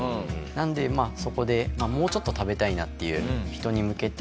なのでそこでもうちょっと食べたいなっていう人に向けて。